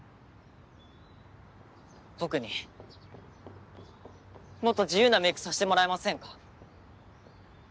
僕にもっと自由なメイクさせてもらえませんか？